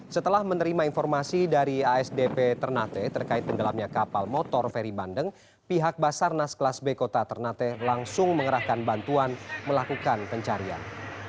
setelah menerima informasi dari asdp ternate terkait tenggelamnya kapal motor feri bandeng pihak basarnas kelas b kota ternate langsung mengerahkan bantuan melakukan pencarian